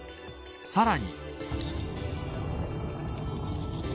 さらに。